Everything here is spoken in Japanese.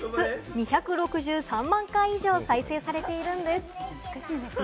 ２６３万回以上、再生されているんです。